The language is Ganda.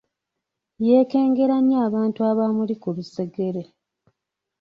Yeekengera nnyo abantu abaamuli ku lusegere.